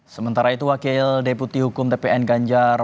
sementara itu wakil deputi hukum tpn ganjar